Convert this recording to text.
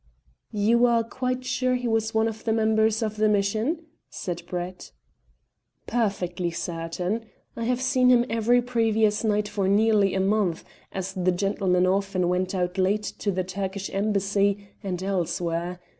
"You are quite sure he was one of the members of the mission?" said Brett. "Perfectly certain. I have seen him every previous night for nearly a month, as the gentleman often went out late to the Turkish Embassy, and elsewhere.